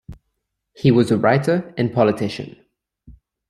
He was a writer and politician.